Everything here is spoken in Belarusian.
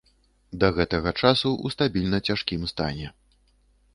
Да гэтага часу ў стабільна цяжкім стане.